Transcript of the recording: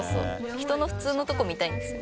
人の普通のとこ見たいんですよ。